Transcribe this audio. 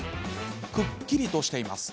くっきりとしています。